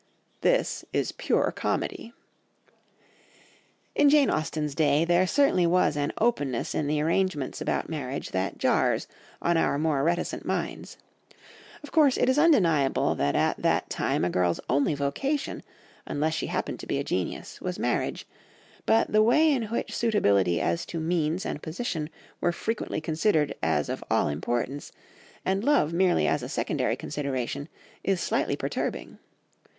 '" This is pure comedy! In Jane Austen's day there certainly was an openness in the arrangements about marriage that jars on our more reticent minds. Of course it is undeniable that at that time a girl's only vocation, unless she happened to be a genius, was marriage, but the way in which suitability as to means and position were frequently considered as of all importance, and love merely as a secondary consideration, is slightly perturbing.